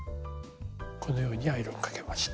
このようにアイロンかけました。